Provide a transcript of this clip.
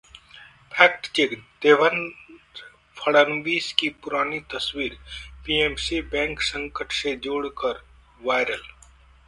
fact check: Devendra Fadnavis की पुरानी तस्वीर पीएमसी बैंक संकट से जोड़कर वायरल